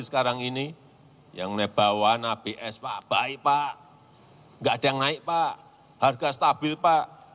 sekarang ini yang dibawa abs baik pak enggak ada yang naik pak harga stabil pak